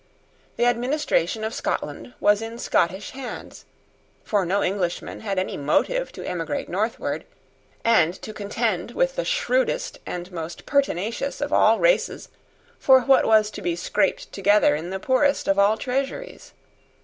The administration of Scotland was in Scottish hands; for no Englishman had any motive to emigrate northward, and to contend with the shrewdest and most pertinacious of all races for what was to be scraped together in the poorest of all treasuries.